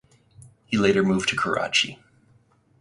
He later moved to Karachi.